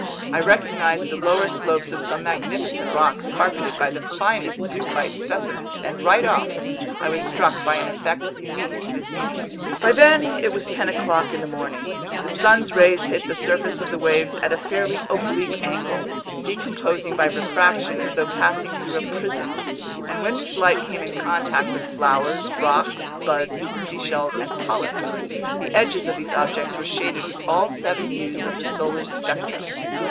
I recognized the lower slopes of some magnificent rocks carpeted by the finest zoophyte specimens, and right off, I was struck by an effect unique to this medium. By then it was ten o'clock in the morning. The sun's rays hit the surface of the waves at a fairly oblique angle, decomposing by refraction as though passing through a prism; and when this light came in contact with flowers, rocks, buds, seashells, and polyps, the edges of these objects were shaded with all seven hues of the solar spectrum.